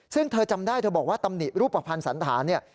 ซึ่งเธอจำได้เธอบอกว่าตำหนิรูปประพันธ์สันฐาน